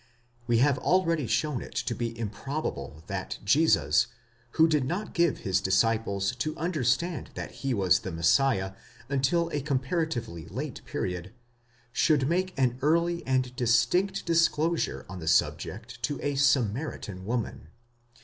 We have already shown it to be improbable that Jesus, who did not give his disciples to understand that he was the Messiah until a comparatively late period, should make an early and distinct disclosure on the subject to a Samaritan woman.